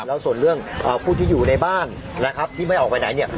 แล้วส่วนเรื่องผู้ที่อยู่ในบ้านนะครับที่ไม่ออกไปไหนเนี่ย